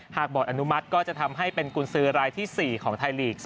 บอร์ดอนุมัติก็จะทำให้เป็นกุญสือรายที่๔ของไทยลีก